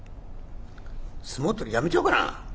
相撲取りやめちゃおうかな？